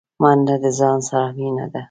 منډه د ځان سره مینه ده